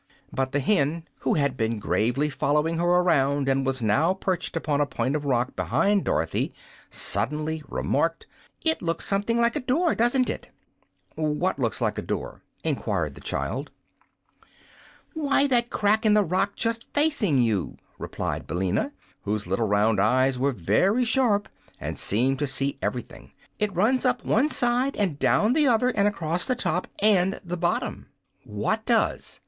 But the hen, who had been gravely following her around and was now perched upon a point of rock behind Dorothy, suddenly remarked: "It looks something like a door, doesn't it?" "What looks like a door?" enquired the child. "Why, that crack in the rock, just facing you," replied Billina, whose little round eyes were very sharp and seemed to see everything. "It runs up one side and down the other, and across the top and the bottom." "What does?"